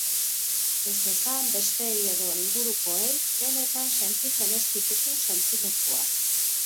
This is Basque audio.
Ez esan besteei edo ingurukoei benetan sentitzen ez dituzun sentimenduak.